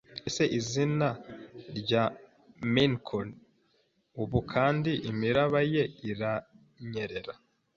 Ese izina rya Mincio ubu kandi imiraba ye iranyerera